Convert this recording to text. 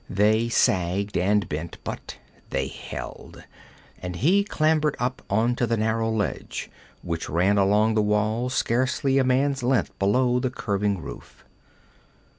They sagged and bent, but they held, and he clambered up onto the narrow ledge which ran along the wall scarcely a man's length below the curving roof.